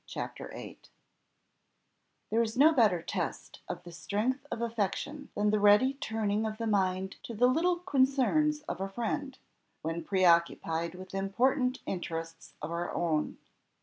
CHAPTER VIII There is no better test of the strength of affection than the ready turning of the mind to the little concerns of a friend, when preoccupied with important interests of our own.